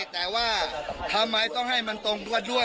แต่ว่าทำไมต้องให้มันตรงด้วย